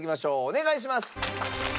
お願いします！